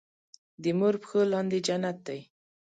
دې مور پښو لاندې جنت دی